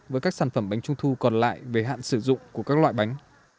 với các sản phẩm bánh trung thu còn lại về hạn sử dụng của các loại bánh